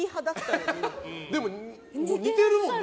でも似てるもんな。